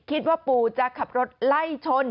คิดว่าปูจะขับรถไล่ชน